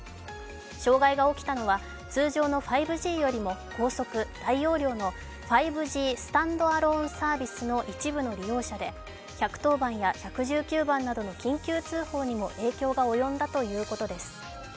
障害が起きたのは通常の５Ｇよりも高速・大容量の５ＧＳＡサービスの一部の利用者で１１０番や１１９番などの緊急通報にも影響が及んだということです。